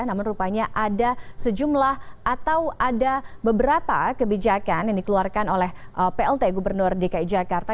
namun rupanya ada sejumlah atau ada beberapa kebijakan yang dikeluarkan oleh plt gubernur dki jakarta